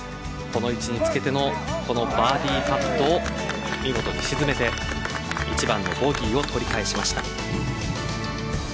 この位置につけてのバーディーパットを見事に沈めて１番のボギーを取り返しました。